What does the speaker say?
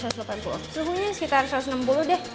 suhunya sekitar satu ratus enam puluh deh